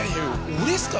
俺っすか？